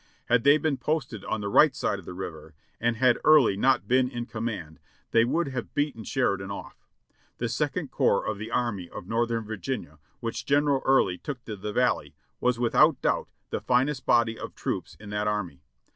Had they been posted on the right side of the river, and had Early not been in command, they would have beaten Sheridan off. "The Second Corps of the Army of Northern Virginia, which Gen. Early took to the Valley, was without doubt the finest body of troops in that army.